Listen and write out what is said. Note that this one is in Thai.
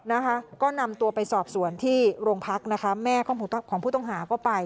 นะคะก็นำตัวไปสอบสวนที่โรงพักนะคะแม่ของผู้ต้องหาก็ไป